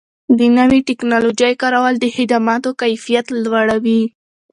د نوې ټکنالوژۍ کارول د خدماتو کیفیت لوړوي.